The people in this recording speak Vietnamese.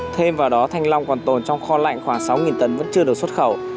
thêm vào đó thanh long còn tồn trong kho lạnh khoảng sáu tấn vẫn chưa được xuất khẩu